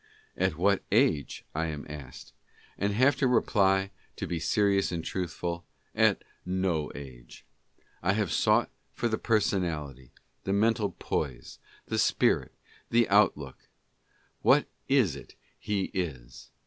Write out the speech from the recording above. "At what age? " I am asked; and have to reply, to be serious and truthful— "At no age. I have sought for the personality, the mental poise, the spirit, the out look. What is it he is?